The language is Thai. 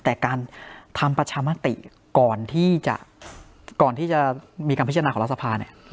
แต่การทำประชามติก่อนที่จะก่อนที่จะมีการพิจารณาของรัฐสภาเนี่ย